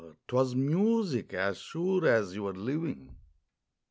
'twas music, as sure as your living.